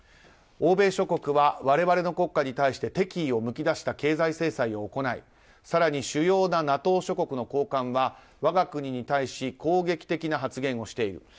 欧米諸国は我々の国家に対して敵意をむき出した経済制裁を行い更に主要なＮＡＴＯ諸国の高官は我が国に対し攻撃的な発言をしている。